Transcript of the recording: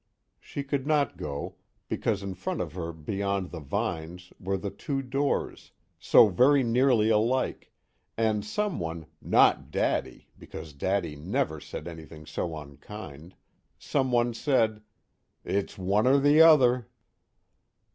She could not go, because in front of her beyond the vines were the two doors, so very nearly alike, and someone NOT Daddy, because Daddy NEVER said anything so unkind someone said: "It's one or the other."